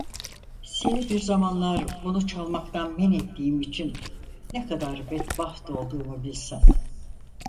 Seni bir zamanlar bunu çalmaktan menettiğim için ne kadar bedbaht olduğumu bilsen…